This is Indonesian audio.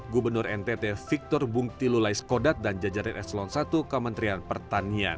gubernur ntt victor bung tilulai skodat dan jajarin eselon i kementerian pertanian